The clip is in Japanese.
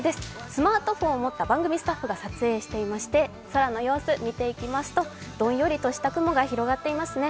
スマートフォンを持った番組スタッフが撮影してまして空の様子見ていきますと、どんよりした雲が広がってますね。